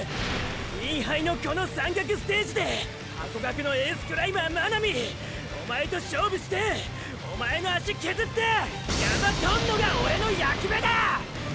インハイのこの山岳ステージでハコガクのエースクライマー真波おまえと勝負しておまえの脚削って山獲んのがオレの役目だ！